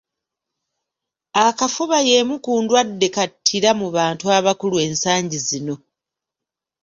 Akafuba y’emu ku ndwadde kattira mu bantu abakulu ensangi zino.